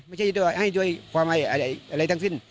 ไม่ใช่ให้ด้วยความอะไรทั้งสิ้น